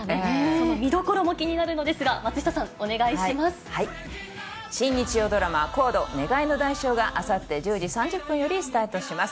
その見どころも気になるのですが、新日曜ドラマ、ＣＯＤＥ願いの代償が、あさって１０時３０分よりスタートします。